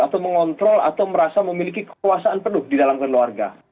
atau mengontrol atau merasa memiliki kekuasaan penuh di dalam keluarga